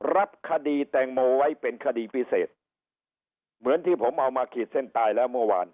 รับคดีแตงโมไว้เป็นคดีพิเศษเหมือนที่ผมเอามาขีดเส้นใต้แล้วเมื่อวาน